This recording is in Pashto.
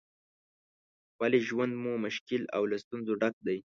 ولې ژوند مو مشکل او له ستونزو ډک دی؟